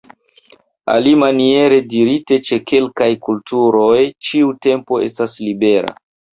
Alimaniere dirite ĉe kelkaj kulturoj ĉiu tempo estas libera.